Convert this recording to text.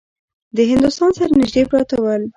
د هندوستان سره نیژدې پراته ول.